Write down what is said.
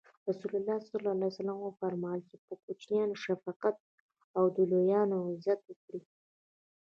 رسول الله ص فرمایي: چی پر کوچنیانو شفقت او او د لویانو عزت وکړي.